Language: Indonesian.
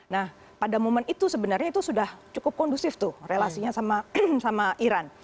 nah pada momen itu sebenarnya itu sudah cukup kondusif tuh relasinya sama iran